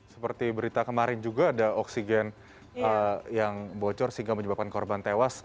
seperti berita kemarin juga ada oksigen yang bocor sehingga menyebabkan korban tewas